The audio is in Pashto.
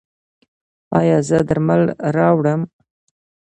ایا زه درمل راوړم؟